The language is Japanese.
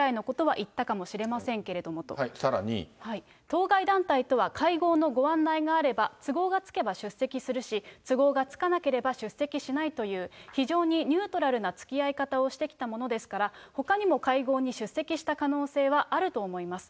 当該団体とは会合のご案内があれば、都合がつけば出席するし、都合がつかなければ出席しないという、非常にニュートラルなつきあい方をしてきたものですから、ほかにも会合に出席した可能性はあると思います。